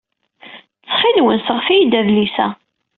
Ttxil-wen, sɣet-iyi-d adlis-a.